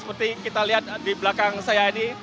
seperti kita lihat di belakang saya ini